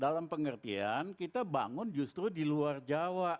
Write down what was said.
dalam pengertian kita bangun justru di luar jawa